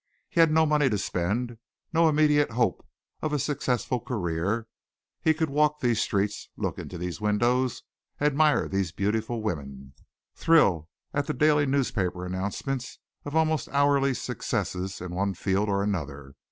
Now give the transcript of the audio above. He had no money to spend, no immediate hope of a successful career, he could walk these streets, look in these windows, admire these beautiful women; thrill at the daily newspaper announcements of almost hourly successes in one field or another.